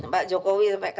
pak jokowi sampai ketawa